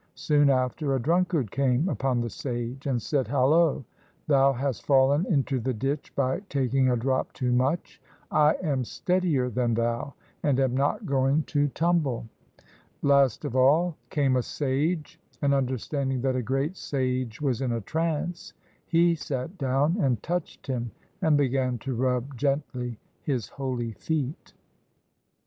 Soon after, a drunkard came upon the sage and said, "Hallo! thou hast fallen into the ditch by taking a drop too much. I am steadier than thou, and am not going to 246 FABLES BY RAMAKRISHNA tumble." Last of all came a sage, and understanding that a great sage was in a trance, he sat down and touched him and began to rub gently his holy feet.